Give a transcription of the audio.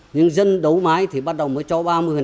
nhưng dân đấu mái thì bắt đầu mới cho ba mươi